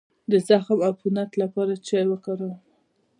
د زخم د عفونت لپاره باید څه شی وکاروم؟